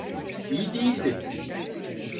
İyi değildi.